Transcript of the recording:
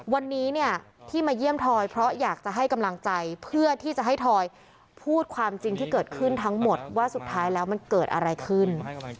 วันนี้เนี่ยที่มาเยี่ยมทอยเพราะอยากจะให้กำลังใจเพื่อที่จะให้ทอยพูดความจริงที่เกิดขึ้นทั้งหมดว่าสุดท้ายแล้วมันเกิดอะไรขึ้น